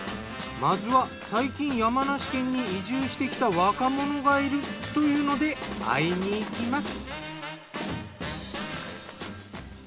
まずは最近山梨県に移住してきた若者がいるというので会いにいきます。